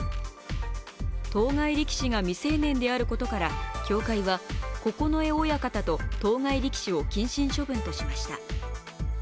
当該力士が未成年であることから協会は九重親方と当該力士を謹慎処分としました。